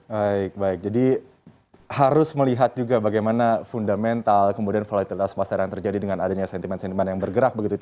baik baik jadi harus melihat juga bagaimana fundamental kemudian volatilitas pasar yang terjadi dengan adanya sentimen sentimen yang bergerak begitu